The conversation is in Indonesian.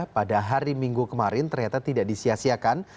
pada hari minggu kemarin ternyata tidak disiasiakan